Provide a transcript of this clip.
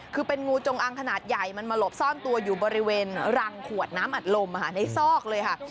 คือเป็นงูจงอังขนาดใหญ่มันมาหลบซ่อนตัวอยู่บริเวณรังขวดน้ำอัดลมในซอกเลยค่ะ